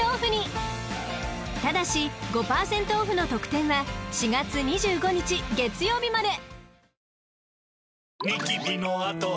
［ただし５％オフの特典は４月２５日月曜日まで］